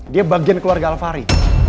dia bagian keluarga alfahri